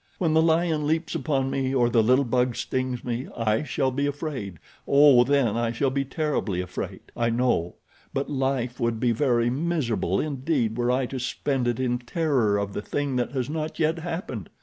When the lion leaps upon me, or the little bug stings me I shall be afraid—oh, then I shall be terribly afraid, I know; but life would be very miserable indeed were I to spend it in terror of the thing that has not yet happened.